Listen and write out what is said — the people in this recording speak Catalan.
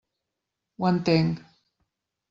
Ho entenc.